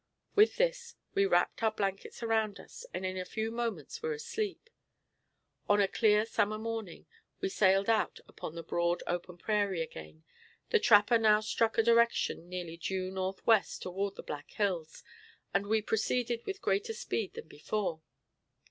With this, we wrapped our blankets around us, and in a few moments were asleep. On a clear summer morning, we sallied out upon the broad, open prairie again. The trapper now struck a direction nearly due northwest toward the Black Hills, and we proceeded with greater speed than before.